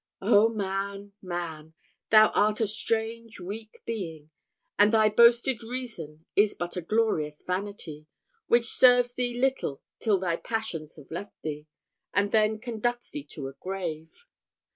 Oh man, man! thou art a strange, weak being; and thy boasted reason is but a glorious vanity, which serves thee little till thy passions have left thee, and then conducts thee to a grave!